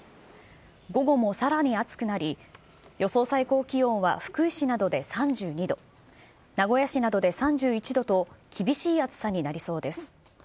午後もさらに暑くなり、予想最高気温は福井市などで３２度、名古屋市などで３１度と、厳しい暑さになりそうです。